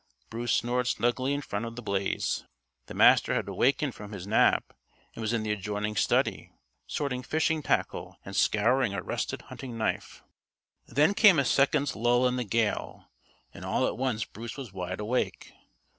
Bruce snored snugly in front of the blaze. The Master had awakened from his nap and was in the adjoining study, sorting fishing tackle and scouring a rusted hunting knife. Then came a second's lull in the gale, and all at once Bruce was wide awake.